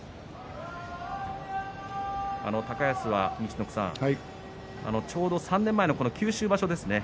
高安は、ちょうど３年前の九州場所ですね